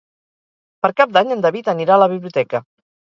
Per Cap d'Any en David anirà a la biblioteca.